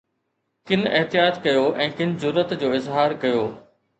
ڪن احتياط ڪيو ۽ ڪن جرئت جو اظهار ڪيو